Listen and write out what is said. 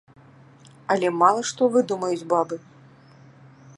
Але мала што выдумаюць бабы.